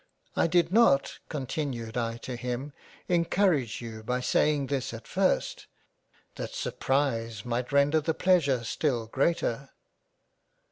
I did not, continued I to him, encourage you by saying this at first, that surprise might render the pleasure still Greater."